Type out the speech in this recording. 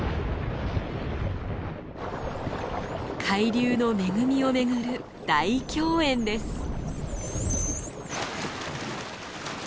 海流の恵みを巡る大饗宴です。